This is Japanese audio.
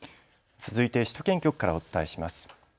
続いて首都圏局からお伝えします。